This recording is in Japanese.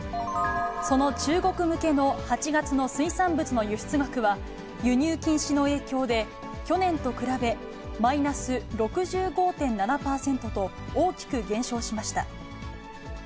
その中国向けの８月の水産物の輸出額は、輸入禁止の影響で、去年と比べ、マイナス６５．７％と、大きく減少しました。